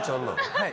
はい。